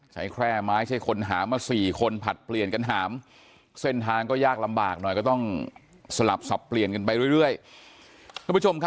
ชัยแคว้